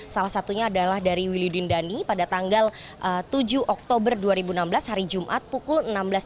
salah satunya adalah dari willidin dhani pada tanggal tujuh oktober dua ribu enam belas hari jumat pukul enam belas tiga puluh